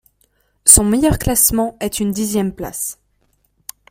Son meilleur classement est une dixième place.